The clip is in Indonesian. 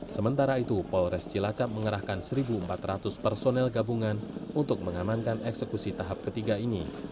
sementara itu polres cilacap mengerahkan satu empat ratus personel gabungan untuk mengamankan eksekusi tahap ketiga ini